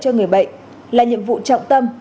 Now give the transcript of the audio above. cho người bệnh là nhiệm vụ trọng tâm